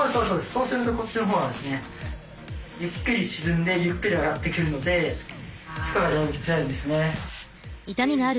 そうするとこっちのほうがですねゆっくり沈んでゆっくり上がってくるのでつらいですね。